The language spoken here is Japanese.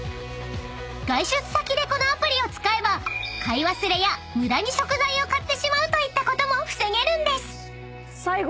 ［外出先でこのアプリを使えば買い忘れや無駄に食材を買ってしまうといったことも防げるんです］